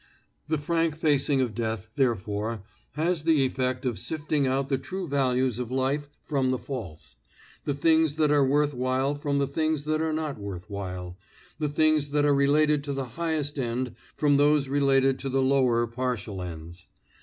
The frank facing of death, therefore, has the effect of sifting out the true values of life from the false, the things that are worth while from the things that are not worth while, the things that are related to the highest end from those related to the lower partial ends.